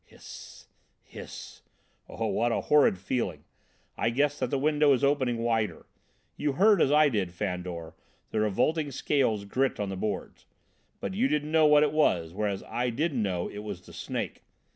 Hiss hiss! Oh, what a horrid feeling! I guess that the window is opening wider. You heard, as I did, Fandor, the revolting scales grit on the boards. But you didn't know what it was, whereas I did know it was the snake!